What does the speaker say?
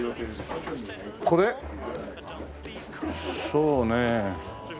そうね。